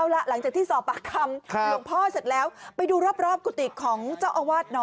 มันก็มาแก่อย่างนี้นะครับ